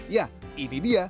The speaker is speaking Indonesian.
ya ini dia